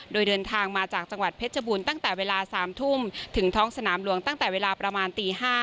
โดยเดินทางมาจากจังหวัดเพชรบูรณ์ตั้งแต่เวลา๓ทุ่มถึงท้องสนามหลวงตั้งแต่เวลาประมาณตี๕